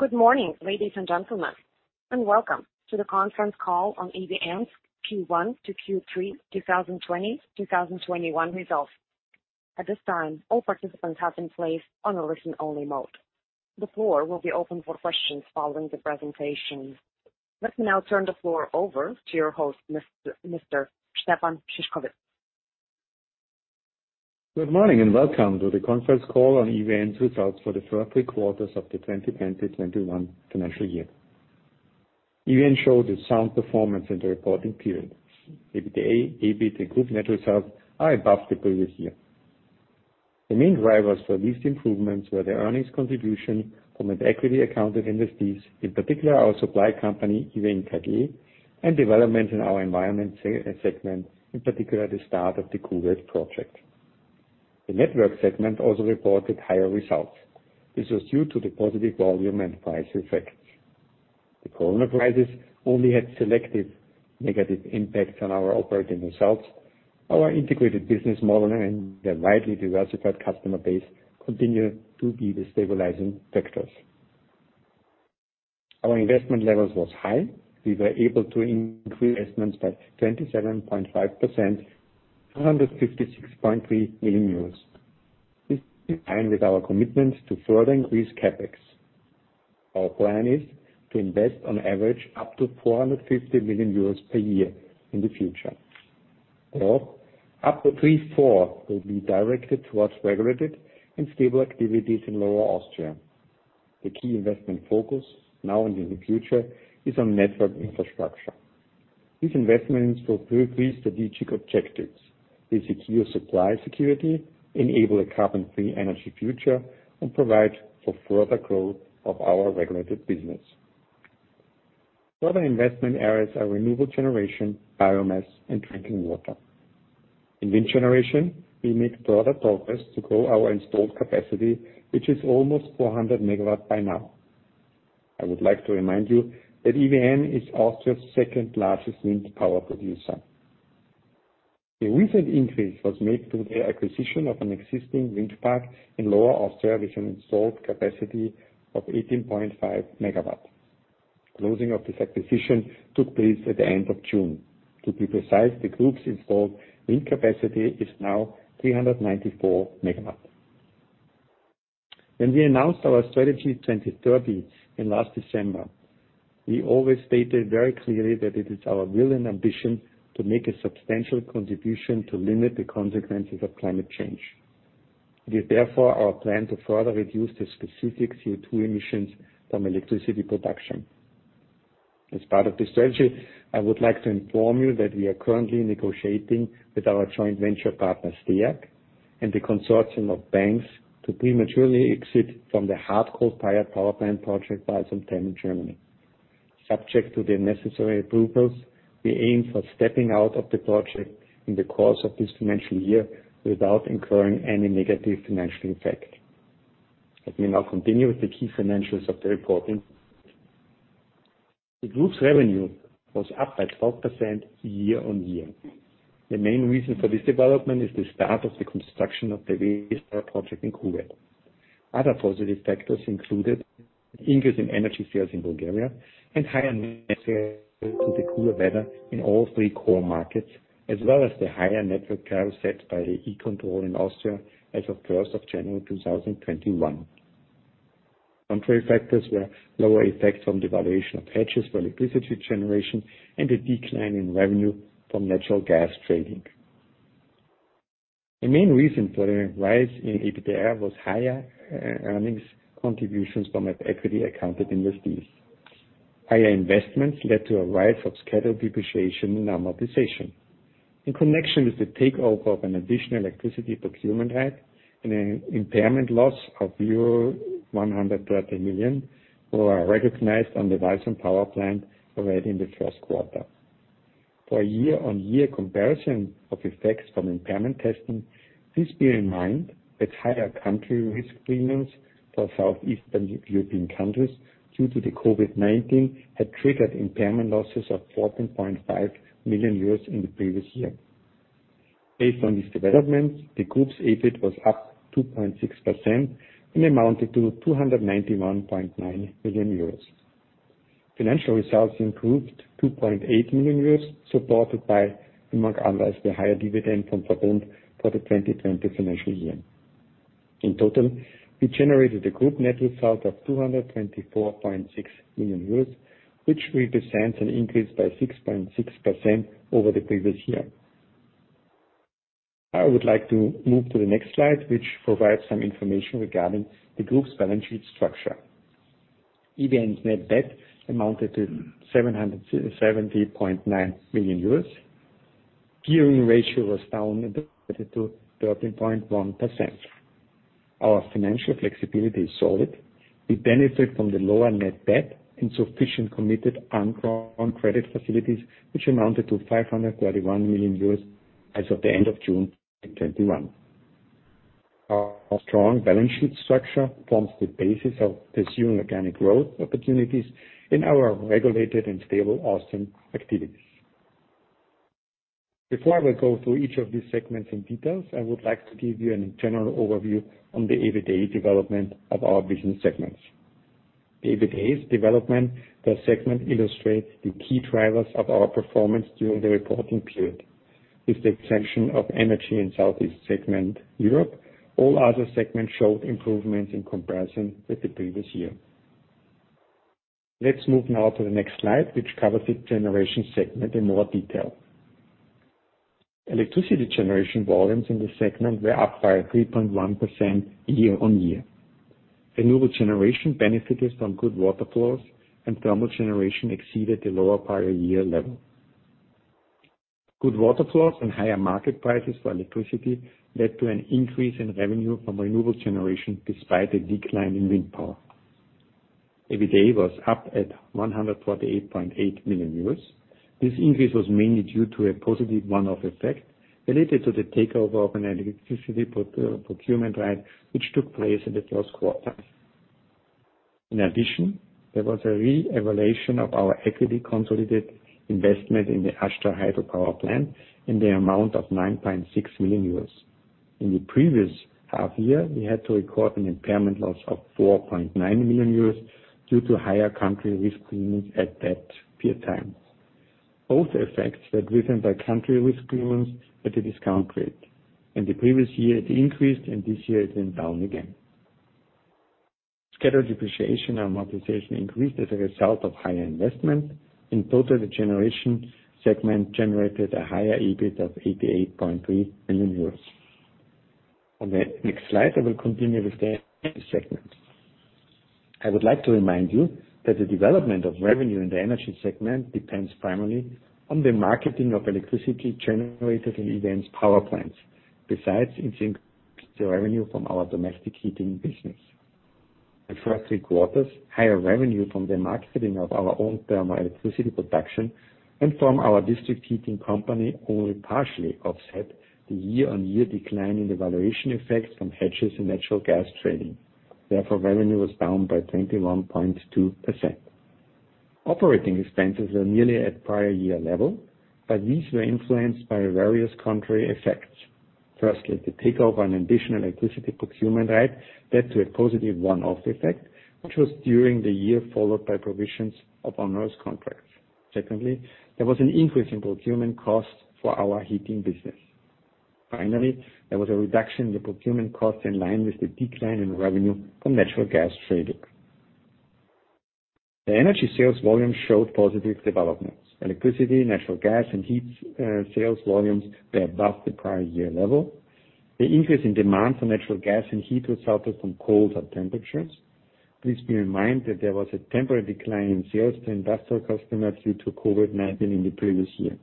Good morning, ladies and gentlemen. Welcome to the conference call on EVN's Q1 to Q3 2020/2021 results. At this time, all participants have been placed on a listen-only mode. The floor will be open for questions following the presentation. Let's now turn the floor over to your host, Mr. Stefan Szyszkowitz. Good morning and welcome to the conference call on EVN's results for the first three quarters of the 2020/2021 financial year. EVN showed a sound performance in the reporting period. EBITDA, EBIT, and group net results are above the previous year. The main drivers for these improvements were the earnings contribution from an equity-accounted investees, in particular our supply company, EVN Italia, and development in our environment segment, in particular the start of the Kuwait project. The network segment also reported higher results. This was due to the positive volume and price effects. The Corona crisis only had selective negative impacts on our operating results. Our integrated business model and the widely diversified customer base continue to be the stabilizing factors. Our investment levels was high. We were able to increase investments by 27.5%, 356.3 million euros. This, in line with our commitment to further increase CapEx. Our plan is to invest on average up to 450 million euros per year in the future. Of that, up to three-fourths will be directed towards regulated and stable activities in Lower Austria. The key investment focus, now and in the future, is on network infrastructure. These investments will prove these strategic objectives. They secure supply security, enable a carbon-free energy future, and provide for further growth of our regulated business. Other investment areas are renewable generation, biomass, and drinking water. In wind generation, we make further progress to grow our installed capacity, which is almost 400 megawatts by now. I would like to remind you that EVN is Austria's second-largest wind power producer. A recent increase was made through the acquisition of an existing wind park in Lower Austria with an installed capacity of 18.5 megawatts. Closing of this acquisition took place at the end of June. To be precise, the group's installed wind capacity is now 394 MW. When we announced our Strategy 2030 in last December, we always stated very clearly that it is our will and ambition to make a substantial contribution to limit the consequences of climate change. It is, therefore, our plan to further reduce the specific CO₂ emissions from electricity production. As part of this strategy, I would like to inform you that we are currently negotiating with our joint venture partners, STEAG, and the consortium of banks to prematurely exit from the hard coal power plant project, Walsum 10, Germany. Subject to the necessary approvals, we aim for stepping out of the project in the course of this financial year without incurring any negative financial effect. Let me now continue with the key financials of the reporting. The group's revenue was up by 12% year-on-year. The main reason for this development is the start of the construction of the waste power project in Kuwait. Other positive factors included increase in energy sales in Bulgaria and higher to the cooler weather in all three core markets, as well as the higher network tariff set by the E-Control in Austria as of 1st of January, 2021. Contrary factors were lower effects from the valuation of hedges for electricity generation and a decline in revenue from natural gas trading. The main reason for the rise in EBITDA was higher earnings contributions from at equity-accounted investees. Higher investments led to a rise of scheduled depreciation and amortization. In connection with the takeover of an additional electricity procurement hub and an impairment loss of euro 130 million were recognized on the Walsum power plant already in the first quarter. For a year-on-year comparison of effects from impairment testing, please bear in mind that higher country risk premiums for Southeastern European countries due to the COVID-19 had triggered impairment losses of 14.5 million euros in the previous year. Based on this development, the group's EBIT was up 2.6% and amounted to 291.9 million euros. Financial results improved 2.8 million euros, supported by, among others, the higher dividend from Verbund for the 2020 financial year. In total, we generated a group net result of 224.6 million euros, which represents an increase by 6.6% over the previous year. I would like to move to the next slide, which provides some information regarding the group's balance sheet structure. EVN's net debt amounted to 770.9 million euros. Gearing ratio was down to 13.1%. Our financial flexibility is solid. We benefit from the lower net debt and sufficient committed undrawn credit facilities, which amounted to 531 million euros as of the end of June 2021. Our strong balance sheet structure forms the basis of pursuing organic growth opportunities in our regulated and stable Austrian activities. Before I will go through each of these segments in detail, I would like to give you a general overview on the EBITDA development of our business segments. The EBITDA's development per segment illustrates the key drivers of our performance during the reporting period. With the exception of energy in Southeast segment Europe, all other segments showed improvements in comparison with the previous year. Let's move now to the next slide, which covers the generation segment in more detail. Electricity generation volumes in this segment were up by 3.1% year-on-year. Renewable generation benefited from good water flows, and thermal generation exceeded the lower prior year level. Good water flows and higher market prices for electricity led to an increase in revenue from renewable generation despite a decline in wind power. EBITDA was up at 148.8 million euros. This increase was mainly due to a positive one-off effect related to the takeover of an electricity procurement right, which took place in the first quarter. In addition, there was a re-evaluation of our equity consolidated investment in the Ashta hydropower plant in the amount of 9.6 million euros. In the previous half year, we had to record an impairment loss of 4.9 million euros due to higher country risk premiums at that period time. Both effects were driven by country risk premiums at a discount rate. In the previous year, it increased, and this year it went down again. Scheduled depreciation and amortization increased as a result of higher investment. In total, the generation segment generated a higher EBIT of 88.3 million euros. On the next slide, I will continue with the energy segment. I would like to remind you that the development of revenue in the energy segment depends primarily on the marketing of electricity generated in EVN's power plants. Besides, it includes the revenue from our domestic heating business. For the first three quarters, higher revenue from the marketing of our own thermal electricity production and from our district heating company only partially offset the year-on-year decline in the valuation effects from hedges and natural gas trading. Therefore, revenue was down by 21.2%. Operating expenses were nearly at prior year level, but these were influenced by various contrary effects. Firstly, the takeover and additional electricity procurement right led to a positive one-off effect, which was during the year followed by provisions of onerous contracts. Secondly, there was an increase in procurement costs for our heating business. Finally, there was a reduction in the procurement cost in line with the decline in revenue from natural gas trading. The energy sales volume showed positive developments. Electricity, natural gas, and heat sales volumes were above the prior year level. The increase in demand for natural gas and heat resulted from colder temperatures. Please bear in mind that there was a temporary decline in sales to industrial customers due to COVID-19 in the previous year.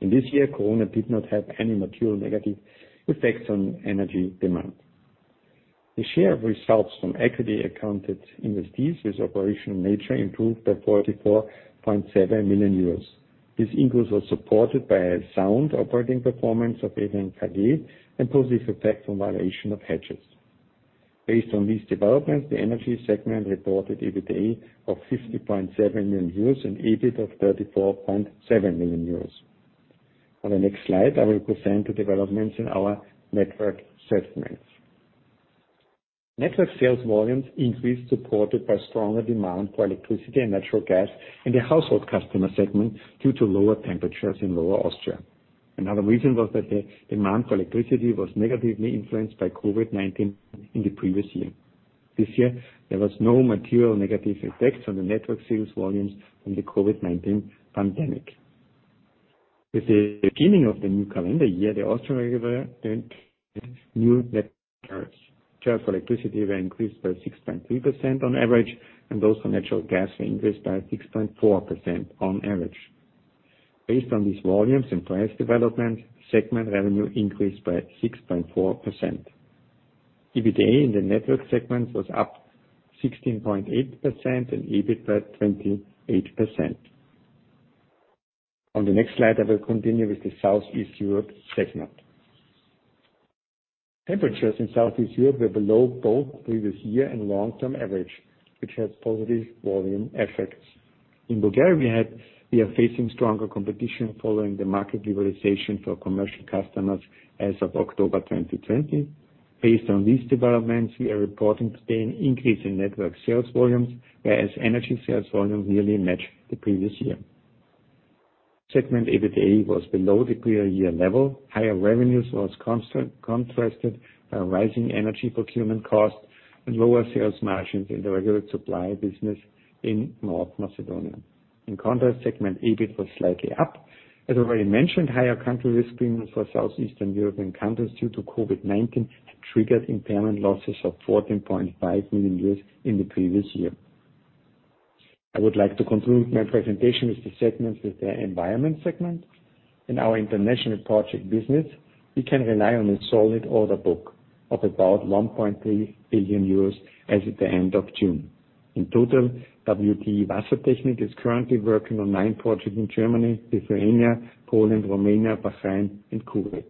In this year, COVID did not have any material negative effects on energy demand. The share of results from equity-accounted investees with operational nature improved by 44.7 million euros. This increase was supported by a sound operating performance of EVN KG and positive effect from valuation of hedges. Based on these developments, the energy segment reported EBITDA of 50.7 million euros and EBIT of 34.7 million euros. On the next slide, I will present the developments in our network segments. Network sales volumes increased, supported by stronger demand for electricity and natural gas in the household customer segment due to lower temperatures in Lower Austria. Another reason was that the demand for electricity was negatively influenced by COVID-19 in the previous year. This year, there was no material negative effects on the network sales volumes from the COVID-19 pandemic. With the beginning of the new calendar year, the Austrian regulator introduced new net tariffs. Charges for electricity were increased by 6.3% on average, and those for natural gas were increased by 6.4% on average. Based on these volumes and price development, segment revenue increased by 6.4%. EBITDA in the network segment was up 16.8% and EBIT by 28%. On the next slide, I will continue with the Southeast Europe segment. Temperatures in Southeast Europe were below both previous year and long-term average, which had positive volume effects. In Bulgaria, we are facing stronger competition following the market liberalization for commercial customers as of October 2020. Based on these developments, we are reporting today an increase in network sales volumes, whereas energy sales volumes nearly matched the previous year. Segment EBITDA was below the prior year level. Higher revenues was contrasted by rising energy procurement costs and lower sales margins in the regulated supply business in North Macedonia. In contrast, segment EBIT was slightly up. As already mentioned, higher country risk premiums for Southeastern European countries due to COVID-19 had triggered impairment losses of 14.5 million in the previous year. I would like to conclude my presentation with the segments, with the environment segment. In our international project business, we can rely on a solid order book of about 1.3 billion euros as at the end of June. In total, WTE Wassertechnik is currently working on nine projects in Germany, Lithuania, Poland, Romania, Bahrain, and Kuwait.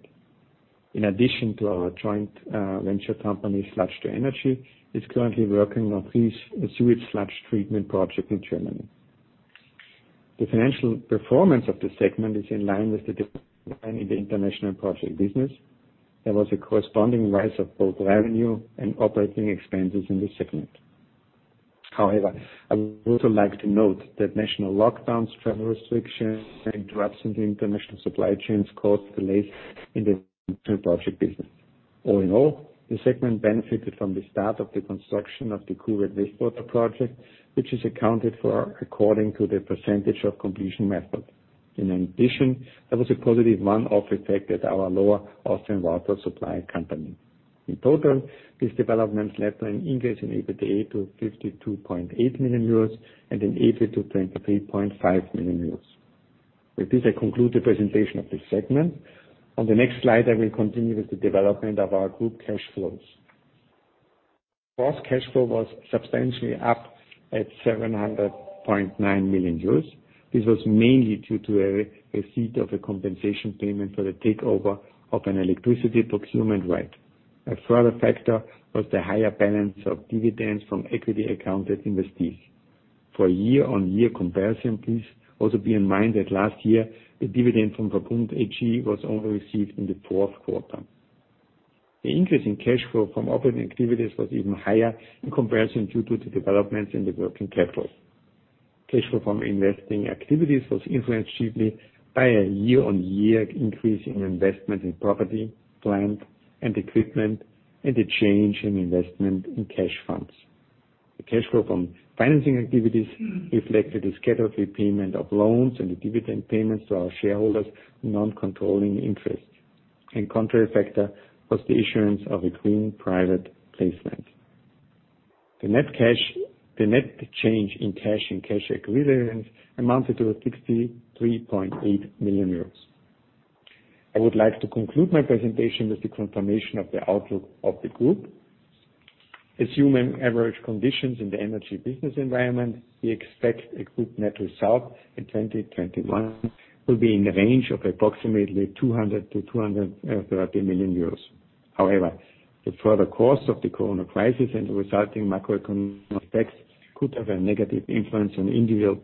In addition to our joint venture company, sludge2energy is currently working on three sewage sludge treatment projects in Germany. The financial performance of the segment is in line with the international project business. There was a corresponding rise of both revenue and operating expenses in this segment. I would also like to note that national lockdowns, travel restrictions, and disruptions in international supply chains caused delays in the international project business. All in all, the segment benefited from the start of the construction of the Kuwait wastewater project, which is accounted for according to the percentage of completion method. In addition, there was a positive one-off effect at our lower Austrian water supply company. In total, these developments led to an increase in EBITDA to 52.8 million euros and an EBIT to 23.5 million euros. With this, I conclude the presentation of this segment. On the next slide, I will continue with the development of our group cash flows. Gross cash flow was substantially up at 700.9 million euros. This was mainly due to a receipt of a compensation payment for the takeover of an electricity procurement right. A further factor was the higher balance of dividends from equity-accounted investees. For a year-on-year comparison, please also bear in mind that last year, the dividend from Verbund AG was only received in the fourth quarter. The increase in cash flow from operating activities was even higher in comparison to the developments in the working capital. Cash flow from investing activities was influenced chiefly by a year-on-year increase in investment in property, plant, and equipment and a change in investment in cash funds. The cash flow from financing activities reflected a scheduled repayment of loans and the dividend payments to our shareholders' non-controlling interest. A contrary factor was the issuance of a green private placement. The net change in cash and cash equivalents amounted to 63.8 million euros. I would like to conclude my presentation with the confirmation of the outlook of the group. Assuming average conditions in the energy business environment, we expect a group net result in 2021 will be in the range of approximately 200 million-230 million euros. The further course of the COVID-19 crisis and the resulting macro effects could have a negative influence on individuals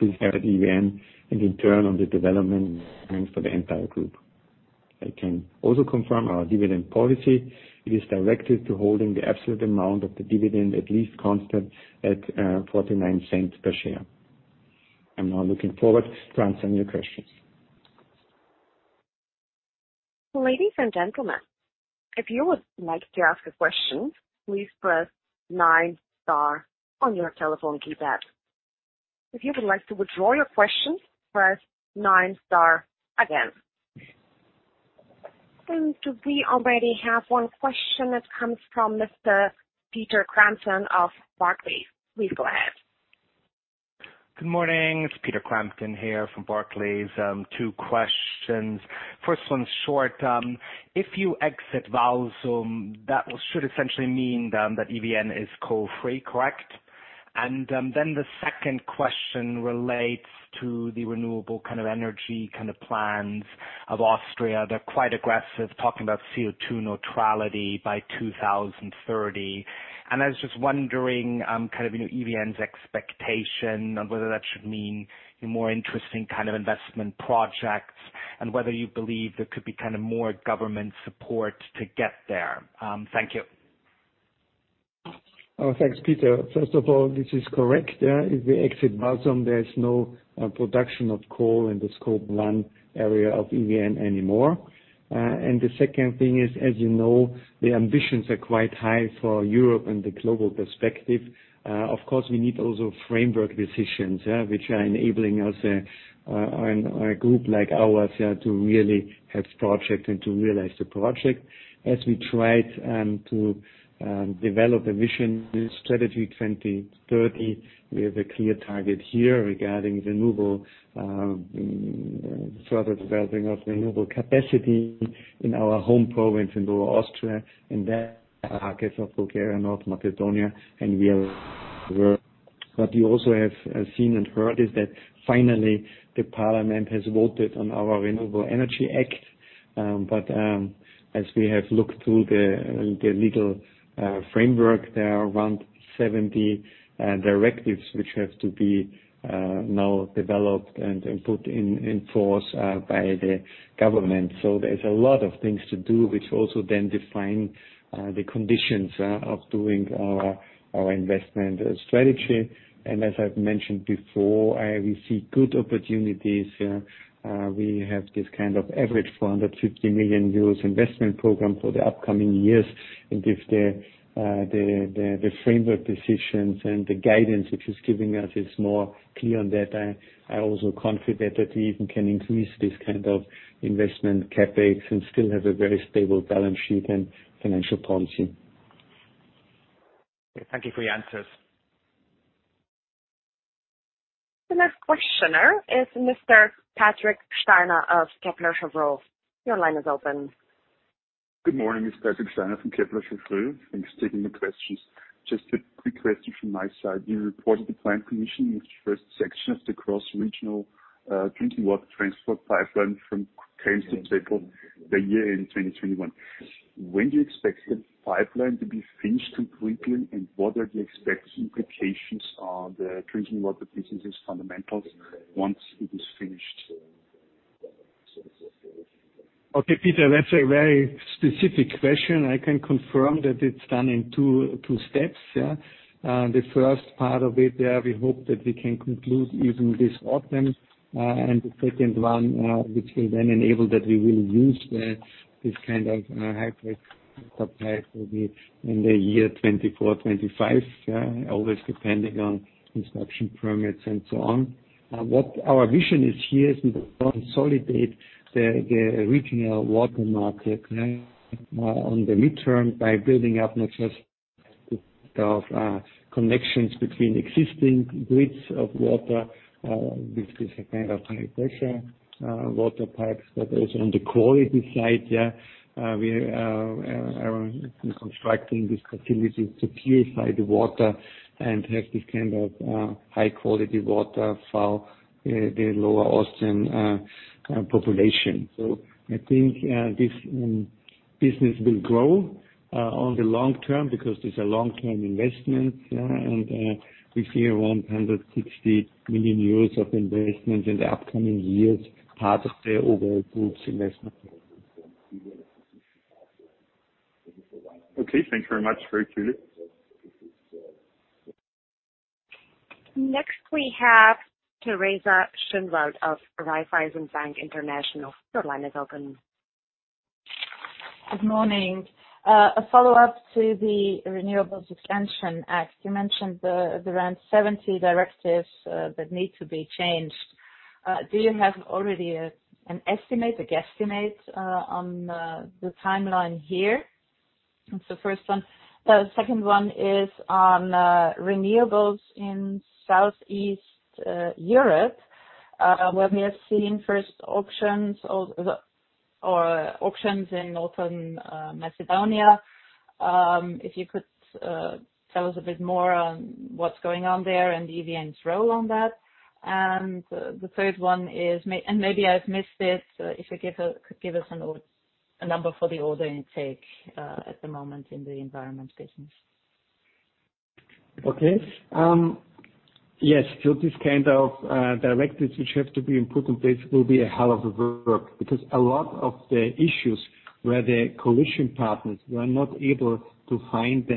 within EVN and, in turn, on the development plans for the entire group. I can also confirm our dividend policy. It is directed to holding the absolute amount of the dividend at least constant at 0.49 per share. I'm now looking forward to answering your questions. Ladies and gentlemen, if you would like to ask a question, please press nine star on your telephone keypad. If you would like to withdraw your question, press nine star again. We already have one question that comes from Mr. Peter Crampton of Barclays. Please go ahead. Good morning. It's Peter Crampton here from Barclays. Two questions. First one's short. If you exit Walsum, that should essentially mean then that EVN is coal-free, correct? Then the second question relates to the renewable energy plans of Austria. They're quite aggressive, talking about CO2 neutrality by 2030. I was just wondering EVN's expectation on whether that should mean more interesting investment projects and whether you believe there could be more government support to get there. Thank you. Thanks, Peter Crampton. First of all, this is correct. If we exit Walsum, there is no production of coal in the Scope 1 area of EVN anymore. The second thing is, as you know, the ambitions are quite high for Europe and the global perspective. Of course, we need also framework decisions, which are enabling us, a group like ours, to really have project and to realize the project. As we tried to develop a vision Strategy 2030, we have a clear target here regarding further developing of renewable capacity in our home province in Lower Austria and then markets of Bulgaria, North Macedonia. What you also have seen and heard is that, finally, the parliament has voted on our Renewables Expansion Act. As we have looked through the legal framework, there are around 70 directives which have to be now developed and put in force by the government. There's a lot of things to do, which also then define the conditions of doing our investment strategy. As I've mentioned before, we see good opportunities. We have this kind of average 450 million euros investment program for the upcoming years. If the framework decisions and the guidance which is giving us is more clear on that, I'm also confident that we even can increase this kind of investment CapEx and still have a very stable balance sheet and financial policy. Thank you for your answers. The next questioner is Mr. Patrick Steiner of Kepler Cheuvreux. Your line is open Good morning. It is Patrick Steiner from Kepler Cheuvreux. Thanks for taking the questions. Just a quick question from my side. You reported the planning commission in the first section of the cross-regional drinking water transport pipeline from Krems to Zwettl the year-end 2021. When do you expect the pipeline to be finished completely, and what are the expected implications on the drinking water business' fundamentals once it is finished? Okay, Peter, that's a very specific question. I can confirm that it's done in two steps. The first part of it, we hope that we can conclude even this autumn, and the second one, which will then enable that we will use this kind of high pipe, will be in the year 2024, 2025. Always depending on construction permits and so on. What our vision is here is we consolidate the regional water market on the long term by building up not just the connections between existing grids of water with these kinds of high-pressure water pipes but also on the quality side. We are constructing these facilities to purify the water and have this kind of high-quality water for the Lower Austrian population. I think this business will grow on the long term because this a long-term investment. We see around 160 million euros of investment in the upcoming years, part of the overall group's investment. Okay. Thanks very much for it, Stefan. We have Teresa Schinwald of Raiffeisen Bank International. Your line is open. Good morning. A follow-up to the Renewables Expansion Act. You mentioned around 70 directives that need to be changed. Do you have already an estimate, a guesstimate, on the timeline here? That's the first one. The second one is on renewables in Southeast Europe, where we have seen first auctions in Northern Macedonia. If you could tell us a bit more on what's going on there and EVN's role on that. The third one is, and maybe I've missed it, if you could give us a number for the order intake at the moment in the environment business. Yes, these kinds of directives, which have to be put in place, will be a hell of a work, because a lot of the issues where the coalition partners were not able to find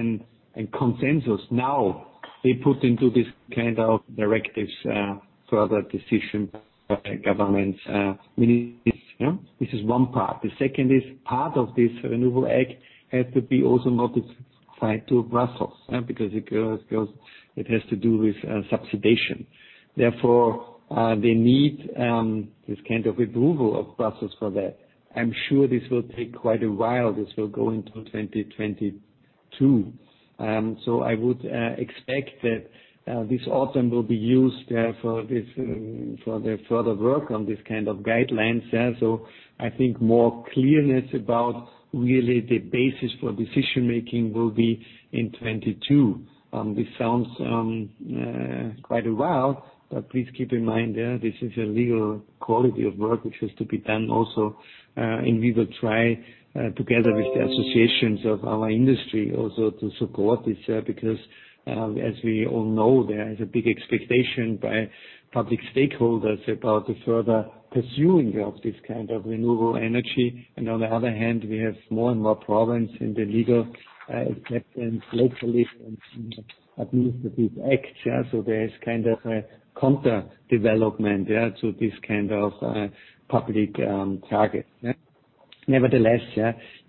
a consensus, now they put into these kinds of directives, further decisions by government, ministries. This is one part. The second is, part of this Renewables Expansion Act had to be also notified to Brussels because it has to do with subsidization. They need this kind of approval of Brussels for that. I'm sure this will take quite a while. This will go into 2022. I would expect that this autumn will be used for the further work on this kind of guideline. I think more clearness about really the basis for decision-making will be in 2022. This sounds quite a while, but please keep in mind this is a legal quality of work which has to be done also, and we will try together with the associations of our industry also to support this because, as we all know, there is a big expectation by public stakeholders about the further pursuing of this kind of renewable energy. On the other hand, we have more and more problems in the legal acceptance locally and administrative acts. There is kind of a counterdevelopment to this kind of public target. Nevertheless,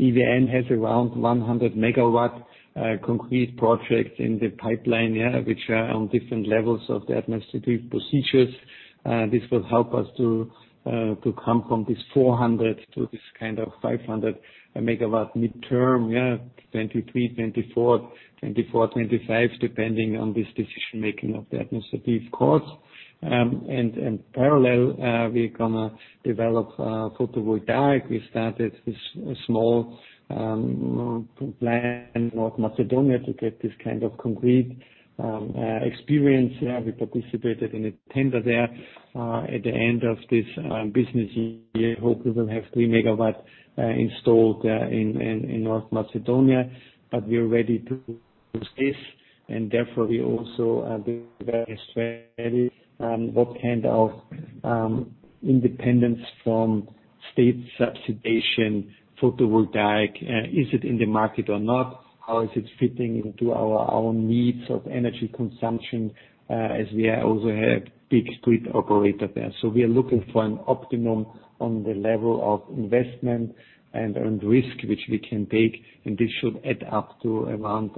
EVN has around 100 MW concrete projects in the pipeline, which are on different levels of the administrative procedures. This will help us to come from this 400 to this kind of 500 MW midterm, 2023, 2024, 2025, depending on this decision-making of the administrative courts. Parallel, we're going to develop photovoltaics. We started this small plant in North Macedonia to get this kind of concrete experience. We participated in a tender there. At the end of this business year, hope we will have 3 MW installed in North Macedonia. We are ready to do this; therefore, we also are being very steady. What kind of independence from state subsidization photovoltaic, is it in the market or not? How is it fitting into our own needs of energy consumption, as we also have big grid operator there? We are looking for an optimum on the level of investment and risk which we can take, this should add up to around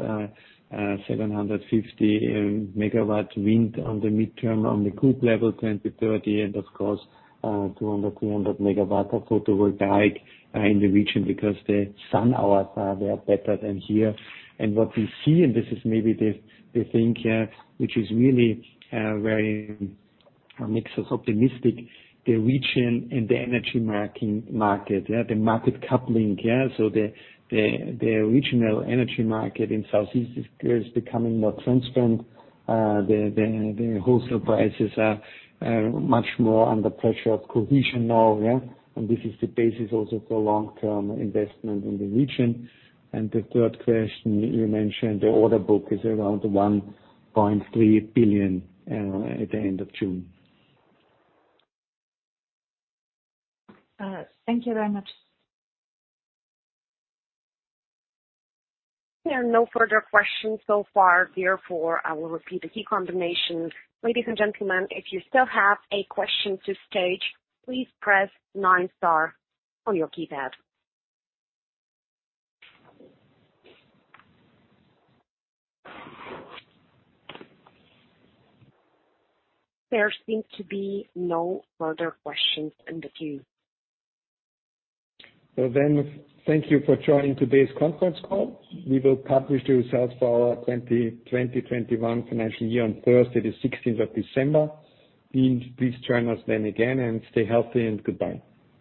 750 MW wind on the midterm on the group level, 10 to 30, of course, 200, 300 MW of photovoltaic in the region because the sun hours are way up better than here. What we see, and this is maybe the thing, which is really makes us optimistic, the region and the energy market. The market coupling. The regional energy market in Southeast is becoming more transparent. The wholesale prices are much more under pressure of cohesion now, and this is the basis also for long-term investment in the region. The third question: you mentioned the order book is around 1.3 billion at the end of June. Thank you very much. There are no further questions so far; therefore, I will repeat the key combination. Ladies and gentlemen, if you still have a question to stage, please press nine star on your keypad. There seem to be no further questions in the queue. Well, thank you for joining today's conference call. We will publish the results for our 2020, 2021 financial year on Thursday, the 16th of December. Please join us then again and stay healthy, and goodbye.